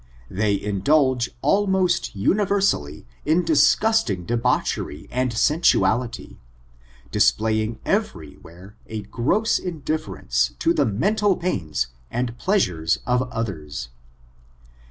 They indulge almost universally in dis gusting debauchery and sensuality, displaying every where a gross indifference to the mental pains and pleasures of others.